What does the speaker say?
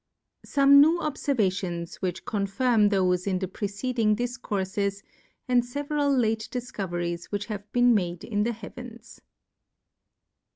] Some New Obfervations which confirm thoj'e in the ^rec€eaingY)\izo\x\{i:'>> and fever al late Difcoveries which have been made in the Heavens